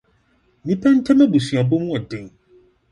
Nnipa ntam abusuabɔ mu yɛ den.